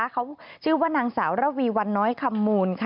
เขาชื่อว่านางสาวระวีวันน้อยคำมูล